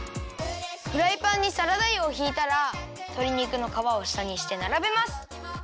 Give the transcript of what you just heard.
フライパンにサラダ油をひいたらとり肉のかわをしたにしてならべます。